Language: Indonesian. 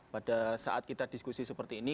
pada saat kita diskusi seperti ini